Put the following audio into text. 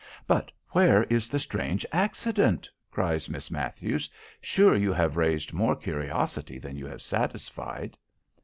"But where is the strange accident?" cries Miss Matthews; "sure you have raised more curiosity than you have satisfied."